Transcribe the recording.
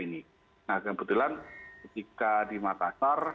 nah kebetulan ketika di makassar